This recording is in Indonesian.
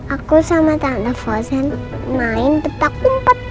aku sama tante vosen main petak kumpet